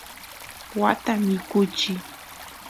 waata mikuchiy